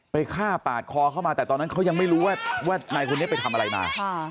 ฆ่าปาดคอเข้ามาแต่ตอนนั้นเขายังไม่รู้ว่านายคนนี้ไปทำอะไรมา